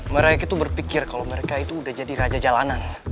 mereka itu berpikir kalau mereka itu udah jadi raja jalanan